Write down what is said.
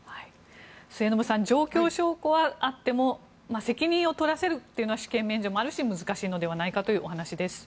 末延さん状況証拠はあっても責任を取らせるというのは主権免除もあるし難しいのではないかというお話です。